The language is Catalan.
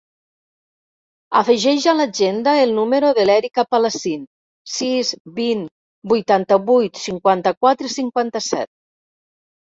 Afegeix a l'agenda el número de l'Erika Palacin: sis, vint, vuitanta-vuit, cinquanta-quatre, cinquanta-set.